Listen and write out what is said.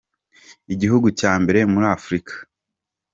Igihugu cyambere muri Afrika.